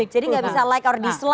jadi enggak bisa like or dislike